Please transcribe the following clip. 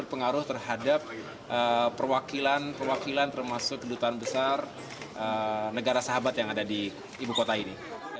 berpengaruh terhadap perwakilan perwakilan termasuk kedutaan besar negara sahabat yang ada di ibu kota ini